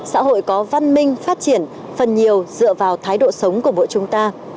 xã hội có văn minh phát triển phần nhiều dựa vào thái độ sống của mỗi chúng ta